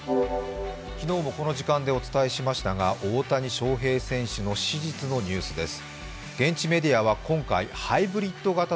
昨日もこの時間でお伝えしましたが大谷翔平選手の選手のニュースです。